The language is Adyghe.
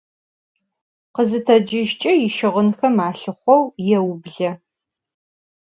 Khızıtecıjç'e yişığınxem alhıxhou yêuble.